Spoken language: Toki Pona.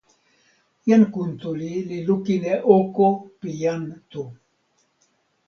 jan Kuntuli li lukin e oko pi jan Tu.